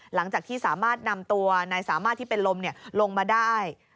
หลังจากที่สามารถนำตัวนายสามารถที่เป็นลมลงมาได้